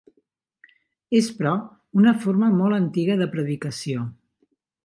És, però, una forma molt antiga de predicació.